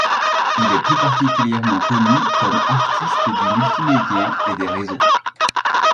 Il est plus particulièrement connu comme artiste du multimédia et des réseaux.